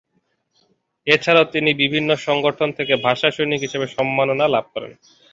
এ ছাড়াও তিনি বিভিন্ন সংগঠন থেকে ভাষা সৈনিক হিসেবে সম্মাননা লাভ করেন।